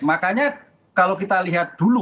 makanya kalau kita lihat dulu